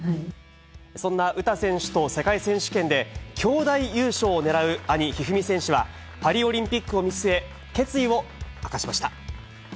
そんな詩選手と世界選手権できょうだい優勝を狙う兄、一二三選手は、パリオリンピックを見据え、決意を明かしました。